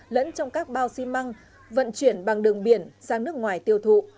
lẫn trong các bao xi măng vận chuyển bằng đường biển sang nước ngoài tiêu thụ